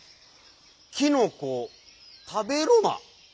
「きのこたべろな」。